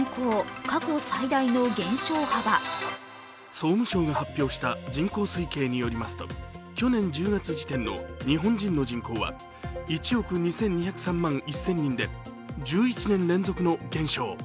総務省が発表した人口推計によりますと去年１０月時点の日本人の人口は１億２２０３万１０００人で１１年連続の減少。